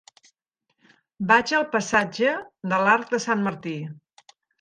Vaig al passatge de l'Arc de Sant Martí.